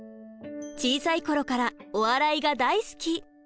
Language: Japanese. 小さい頃からお笑いが大好き。